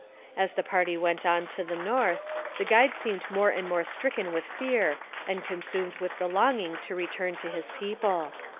As the party went on to the north, the guide seemed more and more stricken with fear and consumed with the longing to return to his people.